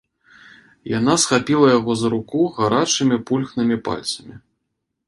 Яна схапіла яго за руку гарачымі пульхнымі пальцамі.